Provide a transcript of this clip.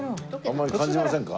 あんまり感じませんか？